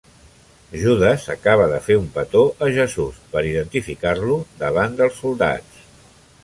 Judes acaba de fer un petó a Jesús per identificar-lo davant dels soldats.